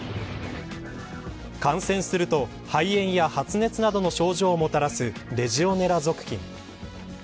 感染すると、肺炎や発熱などの症状をもたらすレジオネラ属菌。